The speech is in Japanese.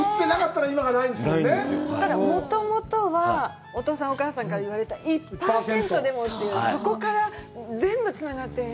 ただ、もともとはお父さん、お母さんから言われた１％でもというそこから全部つながっている。